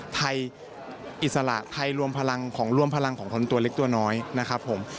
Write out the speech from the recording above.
ไทยอิสระไทยรวมพลังของรวมพลังของคนตัวเล็กตัวน้อยนะครับผม